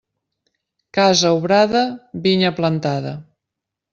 Casa obrada, vinya plantada.